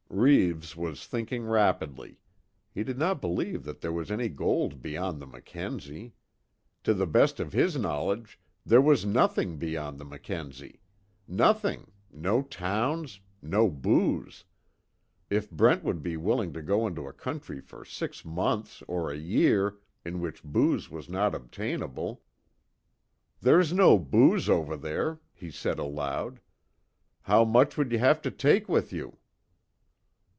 Reeves was thinking rapidly. He did not believe that there was any gold beyond the Mackenzie. To the best of his knowledge there was nothing beyond the Mackenzie. Nothing no towns no booze! If Brent would be willing to go into a country for six months or a year in which booze was not obtainable "There's no booze over there," he said aloud, "How much would you have to take with you?"